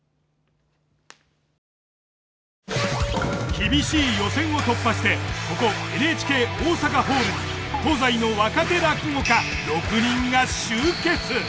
厳しい予選を突破してここＮＨＫ大阪ホールに東西の若手落語家６人が集結！